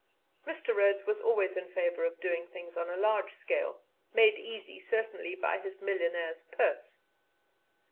Mr. Rhodes was always in favour of doing things on a large scale, made easy, certainly, by his millionaire's purse.